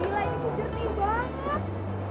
wah gila ini sejernih banget